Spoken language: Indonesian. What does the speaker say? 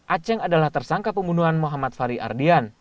aceng adalah tersangka pembunuhan muhammad s a w